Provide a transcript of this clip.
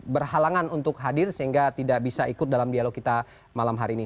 berhalangan untuk hadir sehingga tidak bisa ikut dalam dialog kita malam hari ini